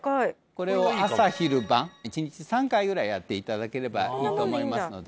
これを朝昼晩１日３回ぐらいやっていただければいいと思いますので